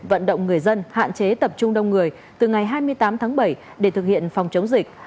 vận động người dân hạn chế tập trung đông người từ ngày hai mươi tám tháng bảy để thực hiện phòng chống dịch